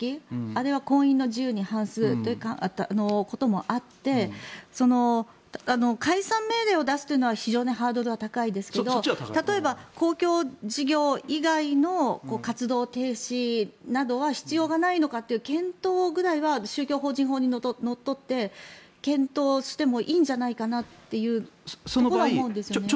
あれは婚姻の自由に反するということもあって解散命令を出すというのは非常にハードルは高いですが例えば公共事業以外の活動停止などは必要がないのかという検討ぐらいは宗教法人法にのっとって検討してもいいんじゃないかと思うんですよね。